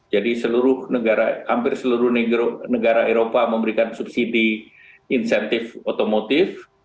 jadi seluruh negara hampir seluruh negara eropa memberikan subsidi insentif otomotif